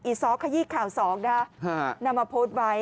อีซอสขยีข่าวซองนะนำมาโพสต์ไว้